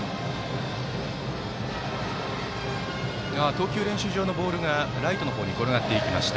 投球練習場のボールがライトの方に転がりました。